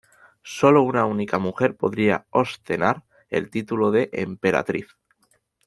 Sólo una única mujer podía ostentar el título de Emperatriz.